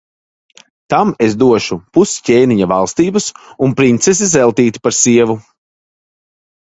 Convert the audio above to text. Tam es došu pus ķēniņa valstības un princesi Zeltīti par sievu.